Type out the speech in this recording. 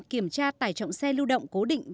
kiểm tra tải trọng xe lưu động cố định